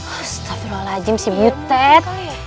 astagfirullahaladzim si butet